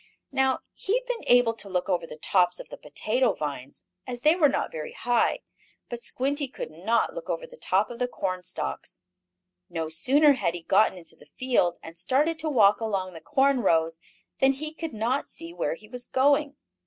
Now he had been able to look over the tops of the potato vines, as they were not very high, but Squinty could not look over the top of the corn stalks. No sooner had he gotten into the field, and started to walk along the corn rows, than he could not see where he was going.